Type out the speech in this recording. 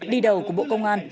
đi đầu của bộ công an